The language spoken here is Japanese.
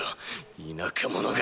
田舎者が。